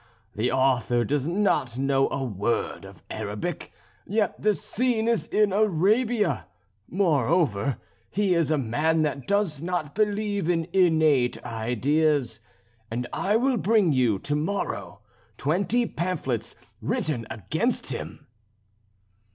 The author does not know a word of Arabic, yet the scene is in Arabia; moreover he is a man that does not believe in innate ideas; and I will bring you, to morrow, twenty pamphlets written against him."